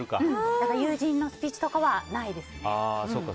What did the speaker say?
だから友人のスピーチとかはないですね。